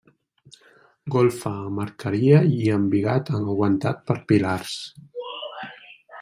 Golfa amb arqueria i embigat aguantat per pilars.